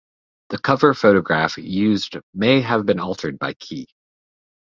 The cover photograph used may have been altered by Key.